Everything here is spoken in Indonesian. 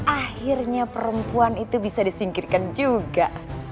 akhirnya perempuan itu bisa disingkirkan juga